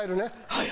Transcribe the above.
はい。